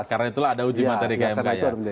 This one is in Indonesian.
karena itulah ada ujian materi kmk ya